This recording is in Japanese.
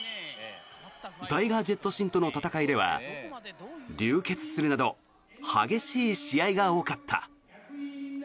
タイガー・ジェット・シンとの戦いでは流血するなど激しい試合が多かった。